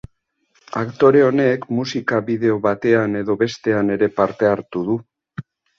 Aktore honek musika-bideo batean edo bestean ere parte hartu du.